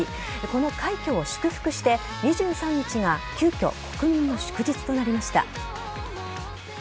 この快挙を祝福して２３日が急きょ国民の祝日となりました。